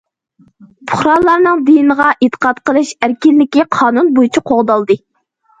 پۇقرالارنىڭ دىنغا ئېتىقاد قىلىش ئەركىنلىكى قانۇن بويىچە قوغدالدى.